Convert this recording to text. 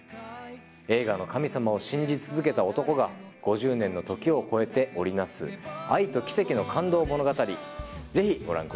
映画の神様を信じ続けた男が５０年の時を超えて織り成す愛と奇跡の感動物語是非ご覧ください